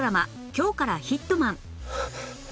『今日からヒットマン』